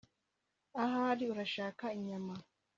ahari urashaka inyama